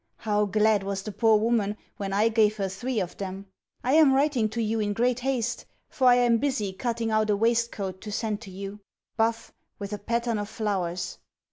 How glad was the poor woman when I gave her three of them! I am writing to you in great haste, for I am busy cutting out a waistcoat to send to you buff, with a pattern of flowers.